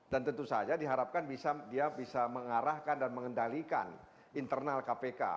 dan tentu saja diharapkan dia bisa mengarahkan dan mengendalikan internal kpk